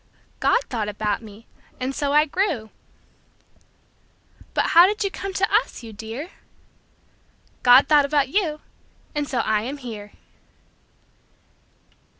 God thought about me, and so I grew. But how did you come to us, you dear? God thought about you, and so I am here.